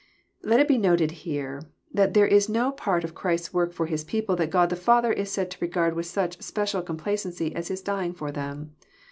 Let it be noted here, that there is no part of Christ's work for His people that God the Father is said to regard with such special complacency as His dying for them.